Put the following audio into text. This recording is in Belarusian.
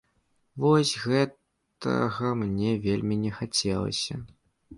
Вось гэтага мне вельмі не хацелася.